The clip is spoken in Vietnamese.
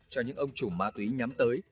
cho những ông chủ ma túy nhắm tới